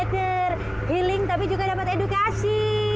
dokter healing tapi juga dapat edukasi